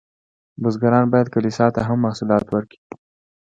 بزګران باید کلیسا ته هم محصولات ورکړي.